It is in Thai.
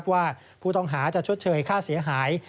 ว่าผู้ต้องหาจะชดเชยค่าเสียหาย